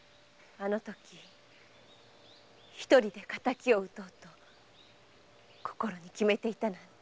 あのとき一人で敵を討とうと心に決めていたなんて。